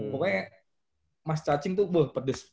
pokoknya mas cacing tuh pedes